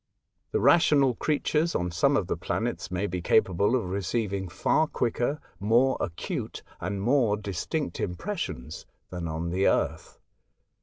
The rational creatures on some of the planets may be capable of receiving far quicker, more acute, and more distinct impres sions than on the Earth.